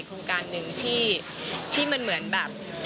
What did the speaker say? โครงการหนึ่งที่มันเหมือนแบบ